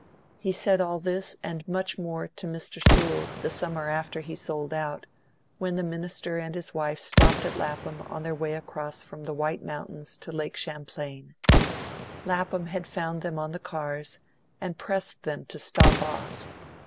He said all this, and much more, to Mr. Sewell the summer after he sold out, when the minister and his wife stopped at Lapham on their way across from the White Mountains to Lake Champlain; Lapham had found them on the cars, and pressed them to stop off.